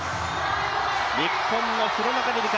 日本の廣中璃梨佳